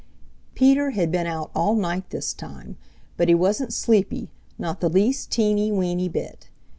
Peter had been out all night this time, but he wasn't sleepy, not the least teeny, weeny bit.